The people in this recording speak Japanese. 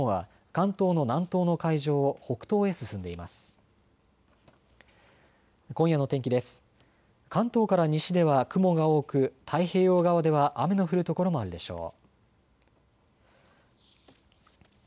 関東から西では雲が多く太平洋側では雨の降る所もあるでしょう。